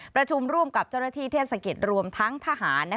ประชุมร่วมกับเจ้าหน้าที่เทศกิจรวมทั้งทหาร